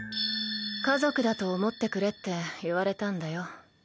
家族だと思ってくれって言われたんだよ。